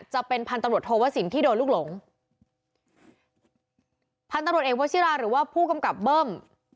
จะเป็นพันธรรมดรโทวศิลป์ที่โดนลูกหลงพันธรรมดรเอกวชิราหรือว่าผู้กำกลับเบิ้ม